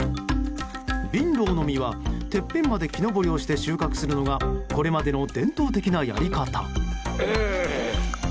ビンロウの実は、てっぺんまで木登りをして収穫するのがこれまでの伝統的なやり方。